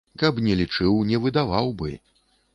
Калі б не лічыў, не выдаваў бы.